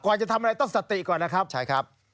จะทำอะไรต้องสติก่อนนะครับใช่ครับ